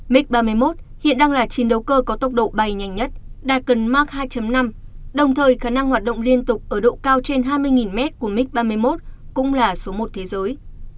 mic ba mươi một hiện đang là chiến đấu cơ có tốc độ bay nhanh nhất đạt gần mark hai năm đồng thời khả năng hoạt động liên tục ở độ cao trên hai mươi m của mig ba mươi một cũng là số một thế giới